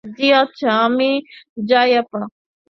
জ্বি আচ্ছা, আমি যাই আপা?